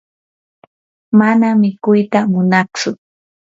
mana mikuyta munatsu.